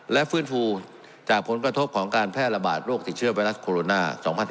และฟื้นฟูจากผลกระทบของการแพร่ระบาดโรคติดเชื้อไวรัสโคโรนา๒๐๑๙